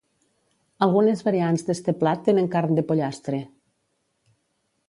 Algunes variants d'este plat tenen carn de pollastre.